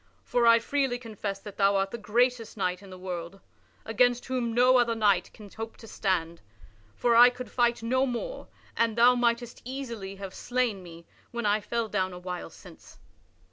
For I freely confess that thou art the greatest knight in the world, against whom no other knight can hope to stand; for I could fight no more and thou mightest easily have slain me when I fell down a while since."